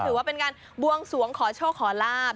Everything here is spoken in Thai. ถือว่าเป็นการบวงสวงขอโชคขอลาบ